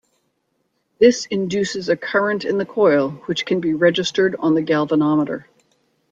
This induces a current in the coil which can be registered on the galvanometer.